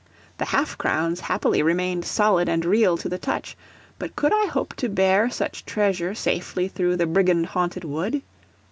The half crowns happily remained solid and real to the touch; but could I hope to bear such treasure safely through the brigand haunted wood?